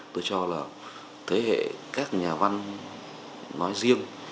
tôi cho là thế hệ các nhà văn nói riêng